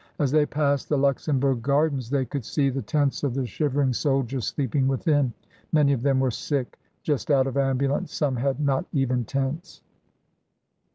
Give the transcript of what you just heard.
As they passed the Luxembourg Gardens they could see the tents of the shivering soldiers sleeping within. Many of them were sick, just out of ambulance, some had not even tents.